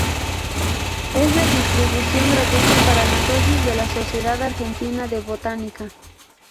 Es de distribución gratuita para los socios de la Sociedad Argentina de Botánica.